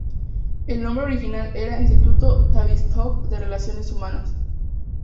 El nombre original era "Instituto Tavistock de Relaciones Humanas".